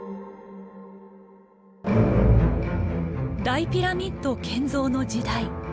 大ピラミッド建造の時代。